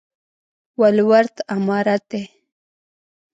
ولورت عمارت دی؟